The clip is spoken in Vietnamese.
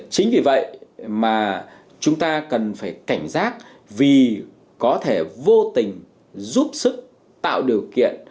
chính vì vậy mà chúng ta cần phải cảnh giác vì có thể vô tình giúp sức tạo điều kiện